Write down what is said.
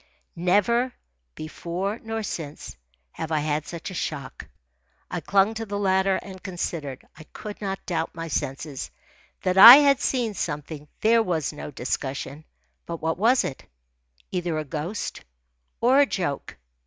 Never, before nor since, have I had such a shock. I clung to the ladder and considered. I could not doubt my senses. That I had seen something there was no discussion. But what was it? Either a ghost or a joke.